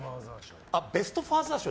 ベスト・ファーザー賞。